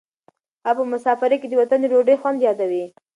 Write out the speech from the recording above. هغه په مسافرۍ کې د وطن د ډوډۍ خوند یادوي.